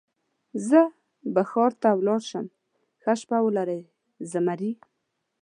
زه به ښار ته ولاړ شم، ښه شپه ولرئ زمري.